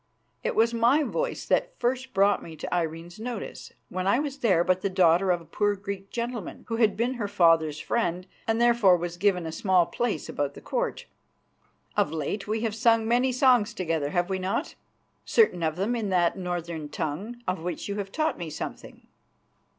It was my voice that first brought me to Irene's notice, when I was but the daughter of a poor Greek gentleman who had been her father's friend and therefore was given a small place about the Court. Of late we have sung many songs together, have we not, certain of them in that northern tongue, of which you have taught me something?"